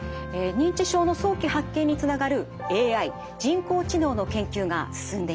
認知症の早期発見につながるＡＩ人工知能の研究が進んでいます。